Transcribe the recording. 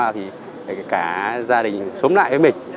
thì cả gia đình sống lại với mình